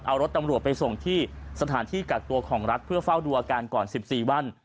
เอารถตำรวจไปส่งที่สถานที่กักตัวของรัฐเพื่อเฝ้าดูอาการก่อน๑๔วัน